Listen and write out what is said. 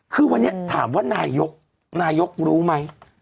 คือวันนี้ถามว่านายกนายกรู้ไหม